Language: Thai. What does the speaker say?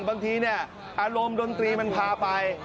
บางทีอารมณ์ดนตรีมันพาไป